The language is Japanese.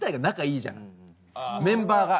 メンバーが。